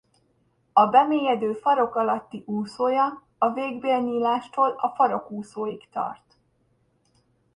A bemélyedő farok alatti úszója a végbélnyílástól a farokúszóig tart.